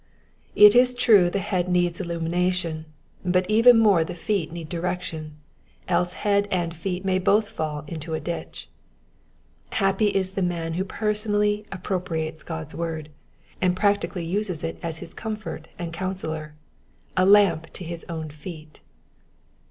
It is true the head needs illumination, but even more the feet need direction, else head and feet may both fall into a ditch. Happy is the man who personally appropriates God's word, and practically \ises it as his comfort and coun sellor, — a lamp to his own feet.